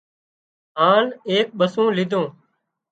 هانَ ايڪ ٻسُون ليڌون